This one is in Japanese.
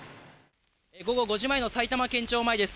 午後５時前の埼玉県庁前です。